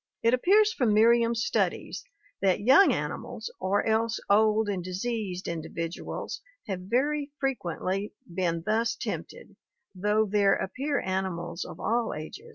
It appears from Mer riam's studies that young animals or else old and diseased indi viduals have very frequently been thus tempted, though there appear animals of all ages."